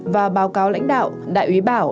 và báo cáo lãnh đạo đại úy bảo